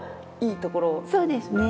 そうですね。